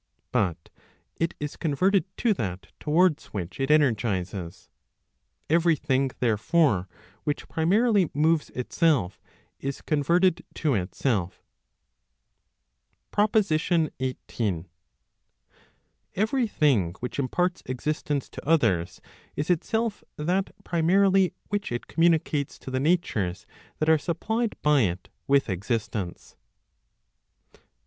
But it is converted to that towards which it energizes. Every thing therefore which primarily moves itself, is converted to itself. PROPOSITION XVIII. Every thing which imparts existence to others, is itself that primarily which it communicates to the natures that are supplied by it with existence.